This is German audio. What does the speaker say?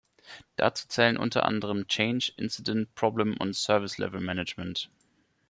Dazu zählen unter anderen Change, Incident, Problem und Service Level Management.